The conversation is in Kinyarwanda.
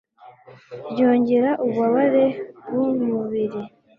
byongera ububabare bwu mubiri.